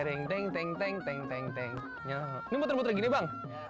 ini muter muter gini bang